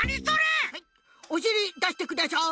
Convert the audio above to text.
おしりだしてください。